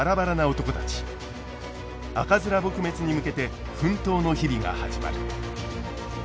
赤面撲滅に向けて奮闘の日々が始まる。